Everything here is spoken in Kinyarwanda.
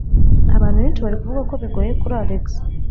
Abantu benshi bari kuvuga ko bigoye kuri Alex.